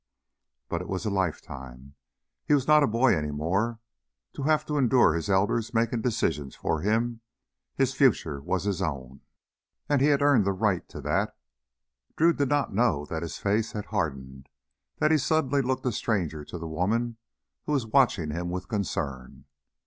But it was a lifetime. He was not a boy any more, to have to endure his elders making decisions for him. His future was his own, and he had earned the right to that. Drew did not know that his face had hardened, that he suddenly looked a stranger to the woman who was watching him with concern.